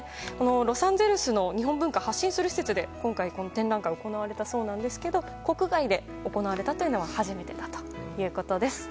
ロサンゼルスの日本文化を発信する施設で今回、この展覧会は行われたそうですが国外で行われたのは初めてだということです。